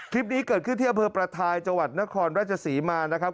คลิปนี้เกิดขึ้นที่อำเภอประทายจังหวัดนครราชศรีมานะครับ